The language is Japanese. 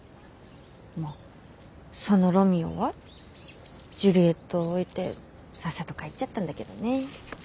まっそのロミオはジュリエットを置いてさっさと帰っちゃったんだけどね。